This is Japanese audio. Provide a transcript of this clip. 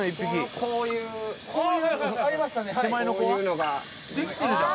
こういうのができてるじゃん